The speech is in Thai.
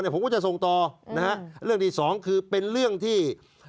ผมก็จะส่งต่อนะฮะเรื่องที่สองคือเป็นเรื่องที่